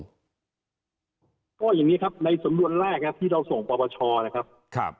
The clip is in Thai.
ก็อย่างนี้ครับในสำนวนแรกครับที่เราส่งปปชนะครับ